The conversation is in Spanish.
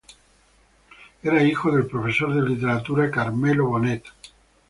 Era hijo del profesor de literatura Carmelo Bonet.